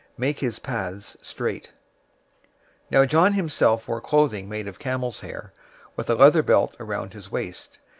Make his paths straight."{Isaiah 40:3} 003:004 Now John himself wore clothing made of camel's hair, with a leather belt around his waist.